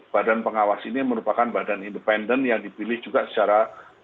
badan pengawas ini merupakan badan independen yang dipilih juga secara